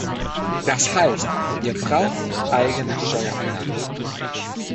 Das heißt, wir brauchen eigene Steuereinnahmen.